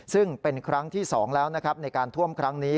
ซึ่งเป็นครั้งที่๒แล้วนะครับในการท่วมครั้งนี้